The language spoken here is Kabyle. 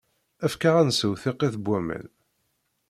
Efk-aɣ ad nsew tiqit n waman.